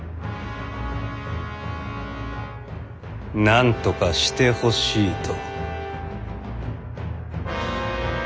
「なんとかしてほしい」と。